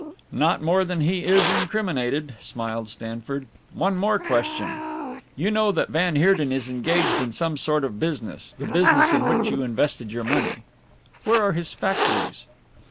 "Not more than he is incriminated," smiled Stanford. "One more question. You know that van Heerden is engaged in some sort of business the business in which you invested your money. Where are his factories?"